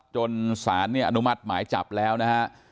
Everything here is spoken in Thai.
จนสารเนี่ยอนุมัติหมายจับแล้วนะฮะ